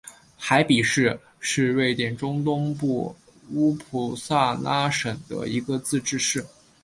海比市是瑞典中东部乌普萨拉省的一个自治市。